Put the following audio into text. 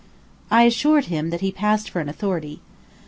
I assured him that he passed for an authority.